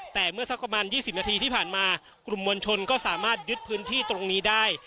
แต่เมื่อสักประมาณ๒๐นาทีที่ผ่านมากลุ่มมวลชนก็สามารถยึดพื้นที่ตรงนี้ได้